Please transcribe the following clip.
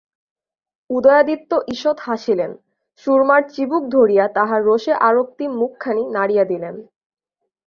উদয়াদিত্য ঈষৎ হাসিলেন, সুরমার চিবুক ধরিয়া তাহার রোষে আরক্তিম মুখখানি নাড়িয়া দিলেন।